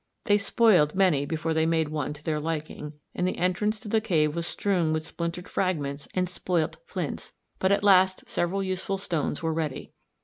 They spoiled many before they made one to their liking, and the entrance to the cave was strewn with splintered fragments and spoilt flints, but at last several useful stones were ready.